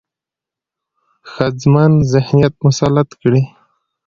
ښځمن ذهنيت مسلط کړي،